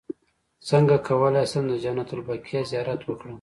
څنګه کولی شم د جنت البقیع زیارت وکړم